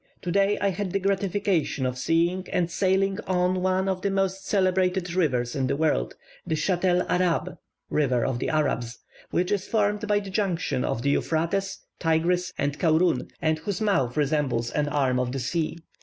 Today I had the gratification of seeing and sailing on one of the most celebrated rivers in the world, the Schatel Arab (river of the Arabs), which is formed by the junction of the Euphrates, Tigris, and Kaurun, and whose mouth resembles an arm of the sea.